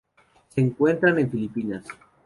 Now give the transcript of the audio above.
Se encuentran en Filipinas.